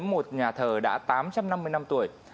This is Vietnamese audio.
một nhà thờ đã tám trăm năm mươi năm tuổi